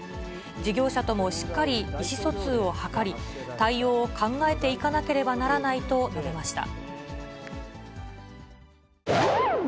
事業者ともしっかり意思疎通を図り、対応を考えていかなければならないと述べました。